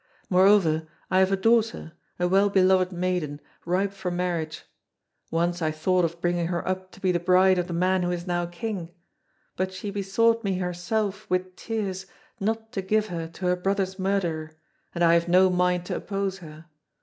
Moreover, I have a daughter, a well beloved maiden, ripe for marriage; once I thought of bringing her up to be the bride of the man who is now king; but she besought me herself, with tears, not to give her to her brother's murderer, and I have no mind to oppose her.